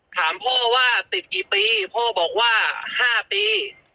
ถามพ่อว่าติดกี่ปีพ่อบอกว่า๕ปี